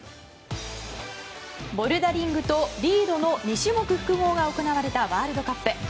ボルダリングとリードの２種目複合が行われたワールドカップ。